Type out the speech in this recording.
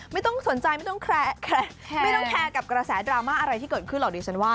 ไม่ต้องสนใจไม่ต้องแคร์ไม่ต้องแคร์กับกระแสดราม่าอะไรที่เกิดขึ้นหรอกดิฉันว่า